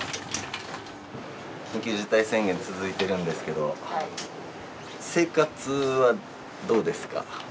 緊急事態宣言続いてるんですけど生活はどうですか？